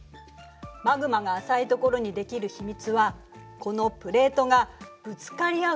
マグマが浅いところにできる秘密はこのプレートがぶつかり合う